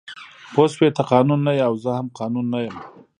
پوه شوې ته قانون نه یې او زه هم قانون نه یم